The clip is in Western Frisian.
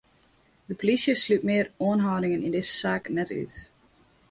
De polysje slút mear oanhâldingen yn dizze saak net út.